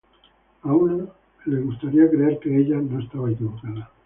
A una le gustaría creer que ella no estaba equivocada.